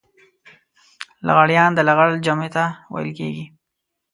لغړيان د لغړ جمع ته ويل کېږي.